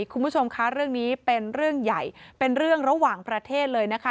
คุณผู้ชมคะเรื่องนี้เป็นเรื่องใหญ่เป็นเรื่องระหว่างประเทศเลยนะคะ